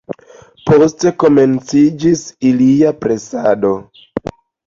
Sekve komenciĝis ilia presado.